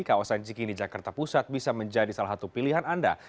kawasan cikini jakarta pusat bisa menjadi salah satu pilihan anda